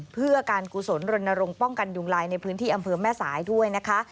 เพื่อการกุศลรณรงค์ป้องกันยุงลายในพื้นที่อำเภอแม่สายด้วยนะคะ